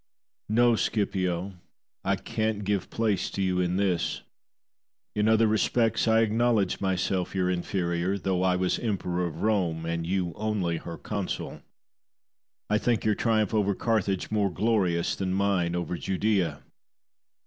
No, Scipio, I can't give place to you in this. In other respects I acknowledge myself your inferior, though I was Emperor of Rome and you only her consul. I think your triumph over Carthage more glorious than mine over Judaea.